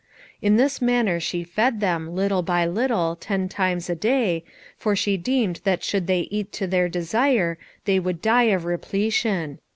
In this manner she fed them, little by little, ten times a day, for she deemed that should they eat to their desire, they would die of repletion.